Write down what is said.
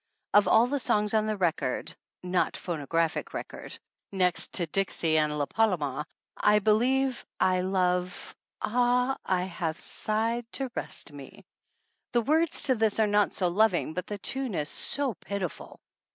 Of all the songs on record (not phono graphic record ) next to Dixie and La Paloma I believe I love Ah, I have sighed to rest me! The words to this are not so loving, but the tune is so pitiful.